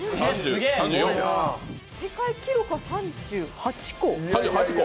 世界記録は３８個。